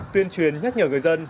tuyên truyền nhắc nhở người dân